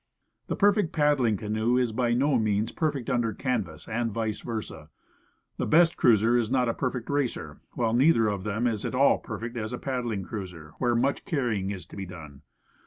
The perfect pad dling canoe is by no means perfect under canvas r and vice versa. The best cruiser is not a perfect racer while neither of them is at all perfect as a paddling cruiser where much carrying is to be done.